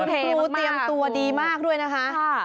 ครูเตรียมตัวดีมากด้วยนะคะ